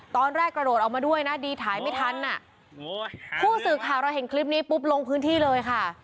กระโดดออกมาด้วยนะดีถ่ายไม่ทันอ่ะผู้สื่อข่าวเราเห็นคลิปนี้ปุ๊บลงพื้นที่เลยค่ะ